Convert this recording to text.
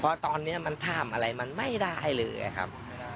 เพราะตอนนี้มันทำอะไรมันไม่ได้เลยครับ